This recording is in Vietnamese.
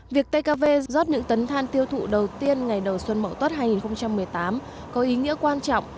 việc tkv rót những tấn than tiêu thụ đầu tiên ngày đầu xuân mậu tuất hai nghìn một mươi tám có ý nghĩa quan trọng